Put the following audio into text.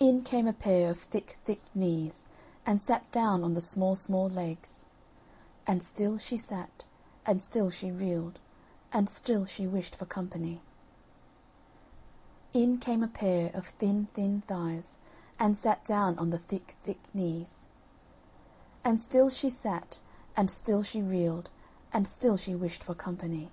In came a pair of thick thick knees, and sat down on the small small legs; And still she sat, and still she reeled, and still she wished for company. In came a pair of thin thin thighs, and sat down on the thick thick knees; And still she sat, and still she reeled, and still she wished for company.